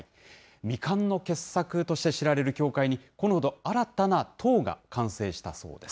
未完の傑作として知られる教会に、このほど新たな塔が完成したそうです。